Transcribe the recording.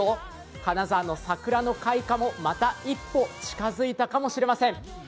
金沢の桜の開花もまた一歩近づいたかもしれません。